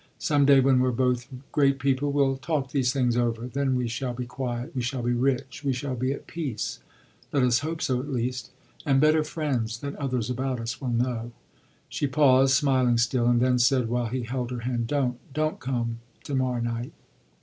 Some day when we're both great people we'll talk these things over; then we shall be quiet, we shall be rich, we shall be at peace let us hope so at least and better friends than others about us will know." She paused, smiling still, and then said while he held her hand: "Don't, don't come to morrow night."